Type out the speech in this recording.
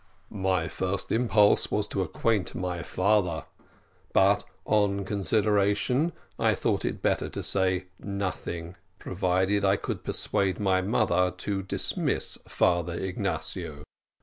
My first impulse was to acquaint my father; but, on consideration, I thought it better to say nothing, provided I could persuade my mother to dismiss Father Ignatio.